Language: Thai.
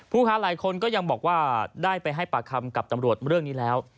ค้าหลายคนก็ยังบอกว่าได้ไปให้ปากคำกับตำรวจเรื่องนี้แล้ว